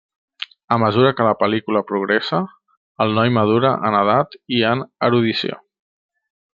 A mesura que la pel·lícula progressa, el noi madura en edat i en erudició.